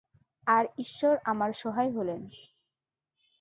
আর ঈশ্বর আমার সহায় হলেন।